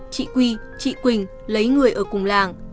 chị quy chị quỳnh lấy người ở cùng làng